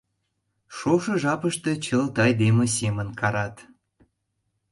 Шошо жапыште чылт айдеме семын карат.